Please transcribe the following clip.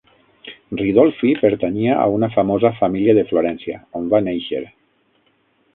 Ridolfi pertanyia a una famosa família de Florència, on va néixer.